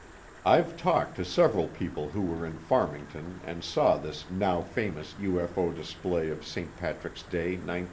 I've talked to several people who were in Farmington and saw this now famous UFO display of St. Patrick's Day, 1950.